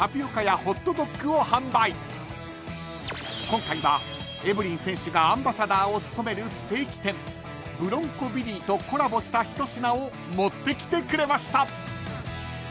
［今回はエブリン選手がアンバサダーを務めるステーキ店ブロンコビリーとコラボした一品を持ってきてくれました］